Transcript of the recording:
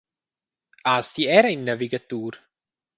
Has ti era in navigatur?